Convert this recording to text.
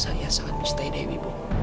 saya sangat misteri dewi bu